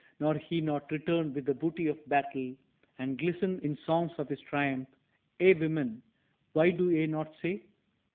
Shall he not return with the booty of battle, and glisten In songs of his triumph ye women, why do ye not say?"